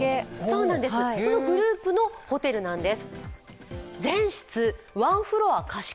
そのグループのホテルなんです。